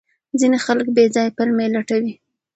ځینې خلک بې ځایه پلمې لټوي.